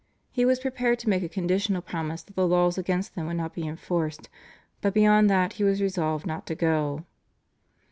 He was prepared to make a conditional promise that the laws against them would not be enforced, but beyond that he was resolved not to go.